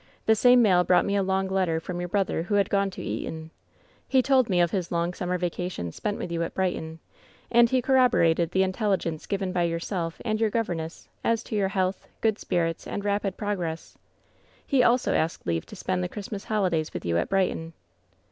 The same mail brought me a long letter from your brother, who had gone to Eton. He told me of his long summer vacation spent with yoa at Brighton. fOO WHEN SHADOWS DIE Ajttd he corroborated the intelligence given by yourself and your governess as to your health, good spirits and rapid progress. He also asked leave to spend the Christ mas holidays with you at Brighton.